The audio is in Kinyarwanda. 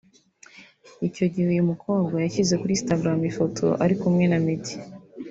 Icyo gihe uyu mukobwa yashyize kuri Instagram ifoto ari kumwe na Meddy